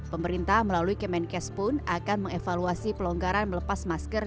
pemerintah melalui kemenkes pun akan mengevaluasi pelonggaran melepas masker